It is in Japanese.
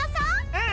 うん！